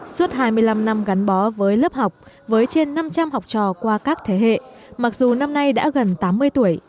suốt hai mươi năm năm gắn bó với lớp học với trên năm trăm linh học trò qua các thế hệ mặc dù năm nay đã gần tám mươi tuổi